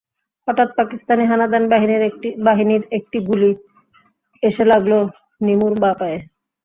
হঠাৎ পাকিস্তানি হানাদার বাহিনীর একটি গুলি এসে লাগল নিমুর বাঁ পায়ে।